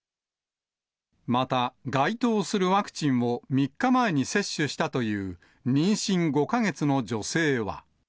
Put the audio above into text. また、該当するワクチンを３日前に接種したという妊娠５か月の女性は。